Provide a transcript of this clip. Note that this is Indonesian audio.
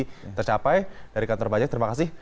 semakin tinggi tercapai dari kantor pajak terima kasih